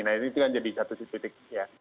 nah itu kan jadi satu titik ya